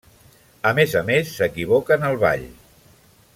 A més a més, s'equivoca en el ball.